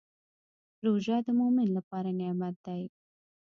روژه د مؤمن لپاره نعمت دی.